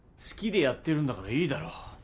好きでやってるんだからいいだろう。